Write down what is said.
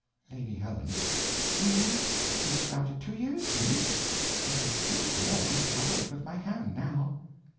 Lady Helen. Nay, it sprouted two yeres syne; I can scarce more than cover it with my hand now.